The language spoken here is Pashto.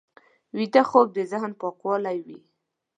ویده خوب د ذهن پاکوونکی وي